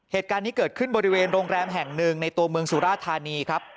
เหตุการณ์นี้เกิดขึ้นบริเวณโรงแรมแห่งหนึ่งในตัวเมืองสุราธานีครับ